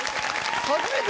初めて？